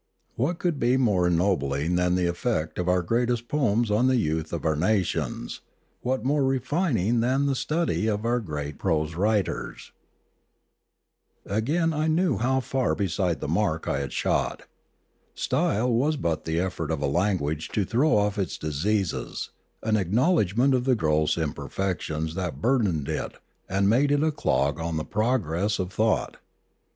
What could be more ennobling than the effect of our greatest poems on the youth of our nations, what more refining than the study of our great prose writers ? Again I knew how far beside the mark I had shot. Style was but the effort of a language to throw off its diseases, an acknowledgment of the gross imperfections that burdened it and made it a clog on the progress of thought.